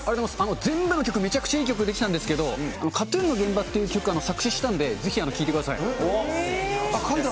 全部の曲、めちゃくちゃいい曲出来たんですけれども、ＫＡＴーＴＵＮのげんばっていう曲、作詞したんで、ぜひ、聴いて書いたの？